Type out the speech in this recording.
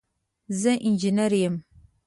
زه انجنیره یم.